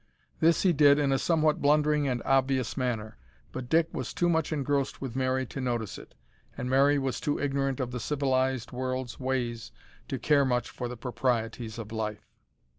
This he did in a somewhat blundering and obvious manner, but Dick was too much engrossed with Mary to notice it and Mary was too ignorant of the civilised world's ways to care much for the proprieties of life.